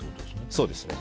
そうですね。